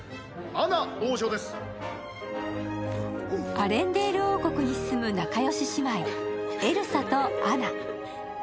アレンデール王国に住む仲よし姉妹、エルサとアナ。